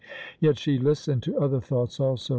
Yet she listened to other thoughts also.